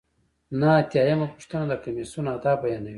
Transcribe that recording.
نهه اتیا یمه پوښتنه د کمیسیون اهداف بیانوي.